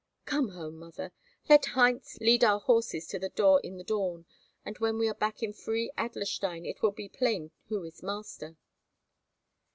"Come home, mother. Let Heinz lead our horses to the door in the dawn, and when we are back in free Adlerstein it will be plain who is master."